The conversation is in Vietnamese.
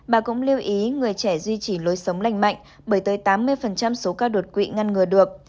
bà cũng lưu ý người trẻ duy trì lối sống lành mạnh bởi tới tám mươi số ca đột quỵ ngăn ngừa được